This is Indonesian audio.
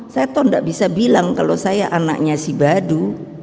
saya toh tidak bisa bilang kalau saya anaknya si badu